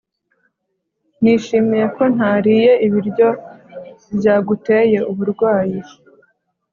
Nishimiye ko ntariye ibiryo byaguteye uburwayi